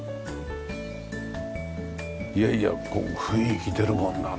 いやいや雰囲気出るもんだね。